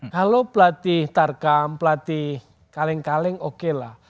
kalau pelatih tarkam pelatih kaleng kaleng okelah